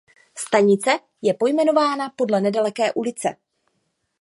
Stanice je pojmenována podle nedaleké ulice.